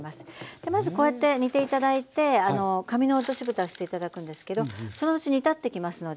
でまずこうやって煮て頂いて紙の落としぶたして頂くんですけどそのうち煮立ってきますので。